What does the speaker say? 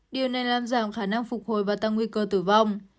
điều này làm giảm khả năng phục hồi và tăng nguy cơ tử vong